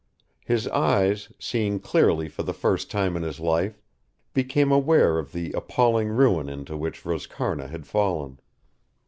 His eyes, seeing clearly for the first time in his life, became aware of the appalling ruin into which Roscarna had fallen.